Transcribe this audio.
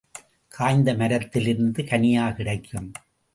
காய்ந்த மரத்திலிருந்து கனியா கிடைக்கும்?